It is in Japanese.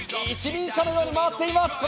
一輪車のように回っています。